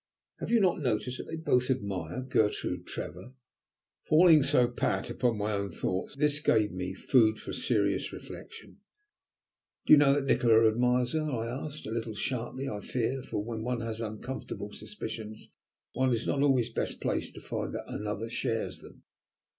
"Have you not noticed that they both admire Gertrude Trevor?" Falling so pat upon my own thoughts, this gave me food for serious reflection. "How do you know that Nikola admires her?" I asked, a little sharply, I fear, for when one has uncomfortable suspicions one is not always best pleased to find that another shares them.